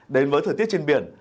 đến với thời tiết trên biển